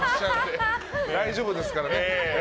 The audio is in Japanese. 大丈夫ですからね。